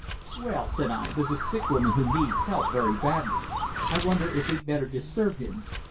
"Well," said I, "there's a sick woman who needs help very badly. I wonder if we'd better disturb him."